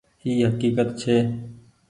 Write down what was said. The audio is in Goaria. اي هڪيڪت ڇي۔